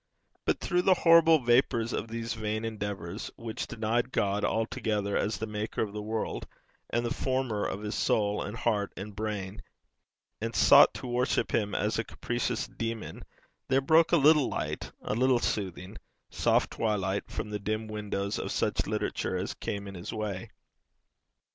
But through the horrible vapours of these vain endeavours, which denied God altogether as the maker of the world, and the former of his soul and heart and brain, and sought to worship him as a capricious demon, there broke a little light, a little soothing, soft twilight, from the dim windows of such literature as came in his way.